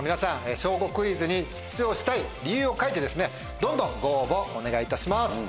『小５クイズ』に出場したい理由を書いてどんどんご応募お願いいたします。